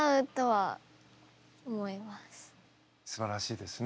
すばらしいですね。